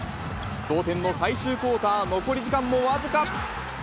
同点の最終クオーター、残り時間も僅か。